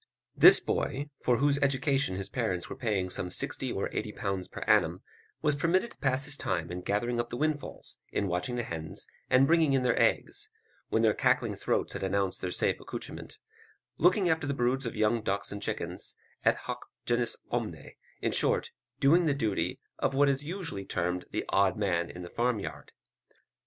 This boy, for whose education his parents were paying some sixty or eighty pounds per annum, was permitted to pass his time in gathering up the windfalls; in watching the hens, and bringing in their eggs, when their cackling throats had announced their safe accouchement; looking after the broods of young ducks and chickens, et hoc genus omne; in short, doing the duty of what is usually termed the odd man in the farmyard.